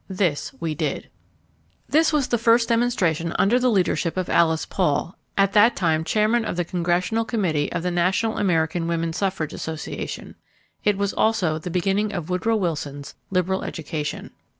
This we did. This was the first demonstration under the leadership of Alice Paul, at that time chairman of the Congressional Committee of the National American Woman. Suffrage Association. It was also the beginning of Woodrow Wilson's liberal education.